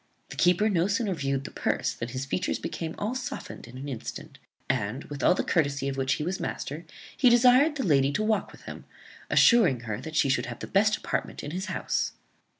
The keeper no sooner viewed the purse than his features became all softened in an instant; and, with all the courtesy of which he was master, he desired the lady to walk with him, assuring her that she should have the best apartment in his house.